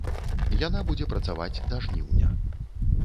Яна будзе працаваць да жніўня.